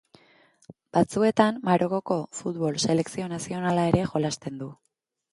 Batzuetan, Marokoko Futbol Selekzio Nazionala ere jolasten du